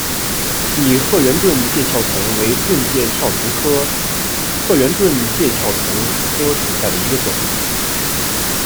拟褐圆盾介壳虫为盾介壳虫科褐圆盾介壳虫属下的一个种。